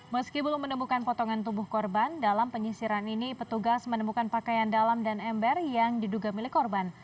meski belum menemukan potongan tubuh korban dalam penyisiran ini petugas menemukan pakaian dalam dan ember yang diduga milik korban